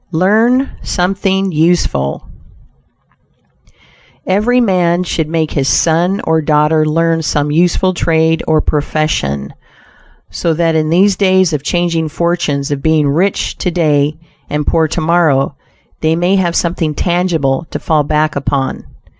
LEARN SOMETHING USEFUL Every man should make his son or daughter learn some useful trade or profession, so that in these days of changing fortunes of being rich to day and poor tomorrow they may have something tangible to fall back upon.